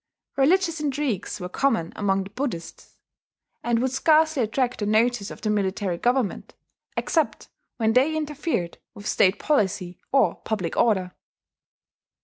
Religious intrigues were common among the Buddhists, and would scarcely attract the notice of the military government except when they interfered with state policy or public order.